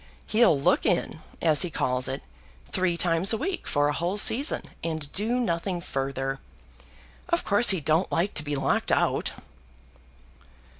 He'll look in, as he calls it, three times a week for a whole season, and do nothing further. Of course he don't like to be locked out."